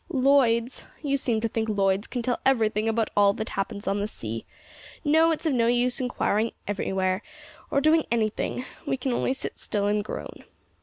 "Lloyd's? You seem to think Lloyd's can tell everything about all that happens on the sea. No, it's of no use inquiring anywhere, or doing anything. We can only sit still and groan."